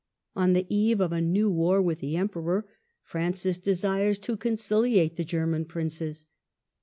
On the eve of a new war with the Emperor, Francis desires to conciliate the German princes.